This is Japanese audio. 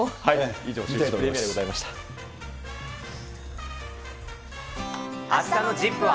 以上、シューイチプレミアムあしたのＺＩＰ！は。